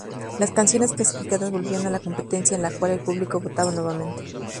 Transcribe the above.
Las canciones clasificadas volvían a la competencia en la cual el público votaba nuevamente.